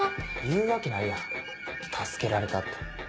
言うわけないやん助けられたって。